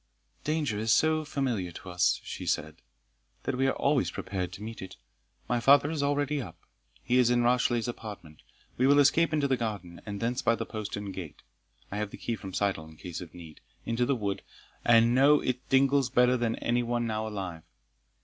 "Danger is so familiar to us," she said, "that we are always prepared to meet it. My father is already up he is in Rashleigh's apartment. We will escape into the garden, and thence by the postern gate (I have the key from Syddall in case of need.) into the wood I know its dingles better than any one now alive.